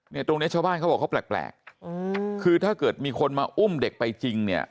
ตรงเนี้ยชาวบ้านเขาบอกเขาแปลกอืมคือถ้าเกิดมีคนมาอุ้มเด็กไปจริงเนี่ย